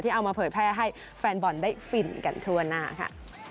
เอามาเผยแพร่ให้แฟนบอลได้ฟินกันทั่วหน้าค่ะ